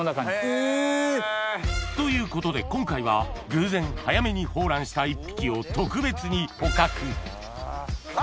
へぇ！ということで今回は偶然早めに抱卵した１匹を特別に捕獲あ！